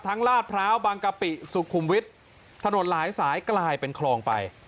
ลาดพร้าวบางกะปิสุขุมวิทย์ถนนหลายสายกลายเป็นคลองไป